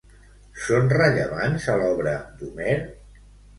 Són rellevants a l'obra d'Homer?